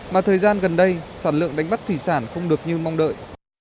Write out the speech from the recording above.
mà thời gian gần đây sản lượng đánh bắt thủy sản không được như mong đợi